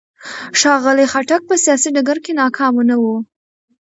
ښاغلي خټک په سیاسي ډګر کې ناکامه نه و.